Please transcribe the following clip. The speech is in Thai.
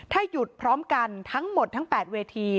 ถ้าหยุดพร้อมกันทั้งหมดทั้ง๘เวที